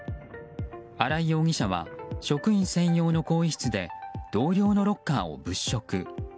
新井容疑者は職員専用の更衣室で同僚のロッカーを物色。